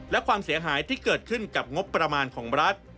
และความเสียหายที่เกิดขึ้นกับงบประมาณของรัฐ